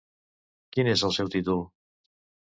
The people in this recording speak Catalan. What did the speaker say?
Quin és el seu títol?